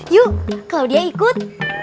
yuk kalau dia ikut